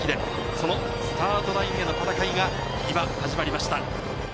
そのスタートラインへの戦いが今始まりました。